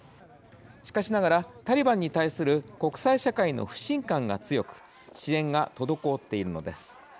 しかしながらタリバンに対する国際社会の不信感が強く支援が滞っているのです。